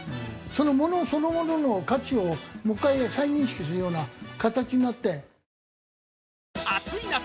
そのものそのものの価値をもう１回再認識するような形になって。